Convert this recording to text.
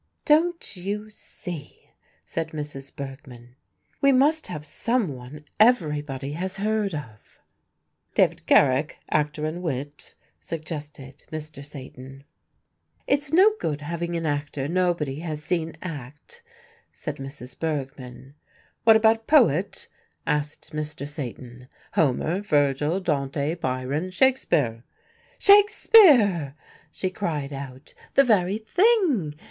"Don't you see," said Mrs. Bergmann, "we must have some one everybody has heard of?" "David Garrick, actor and wit?" suggested Mr. Satan. "It's no good having an actor nobody has seen act," said Mrs. Bergmann. "What about a poet?" asked Mr. Satan, "Homer, Virgil, Dante, Byron, Shakespeare?" "Shakespeare!" she cried out, "the very thing.